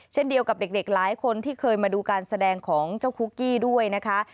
เช่นเดียวกับเด็กหลายคนที่เคยมาดูการแสดงของเจ้าคุกกี้ด้วยนะคะ